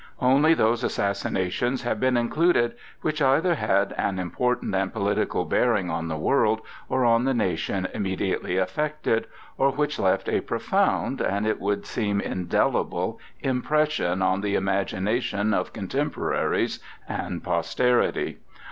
Only those assassinations have been included which either had an important and political bearing on the world, or on the nation immediately affected, or which left a profound, and, it would seem, indelible impression on the imagination of contemporaries and posterity.